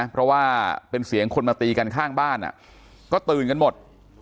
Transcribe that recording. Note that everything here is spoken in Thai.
เพราะว่าเป็นเสียงคนมาตีกันข้างบ้านก็ตื่นกันหมด